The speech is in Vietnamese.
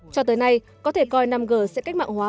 cho tới nay có thể coi năm g sẽ cách mạng hóa toàn bộ khu vực này